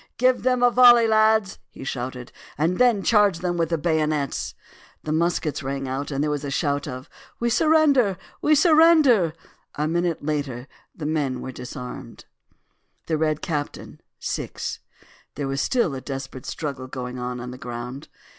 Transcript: "Give them a volley, lads!" he shouted; "and then charge them with the bayonets!" The muskets rang out, and then there was a shout of "We surrender! we surrender!" A minute later the men were disarmed. THE RED CAPTAIN.—VI. There was still a desperate struggle going on on the ground.